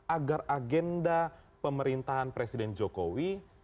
agar agenda pemerintahan presiden jokowi